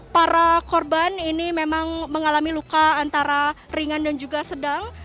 para korban ini memang mengalami luka antara ringan dan juga sedang